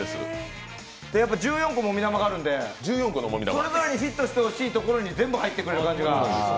１４個もみ玉があるので、それぞれヒットしてほしいところに全部入ってくれる感じが。